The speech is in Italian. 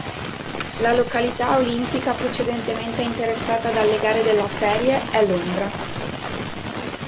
La località olimpica precedentemente interessata dalle gare della serie è Londra.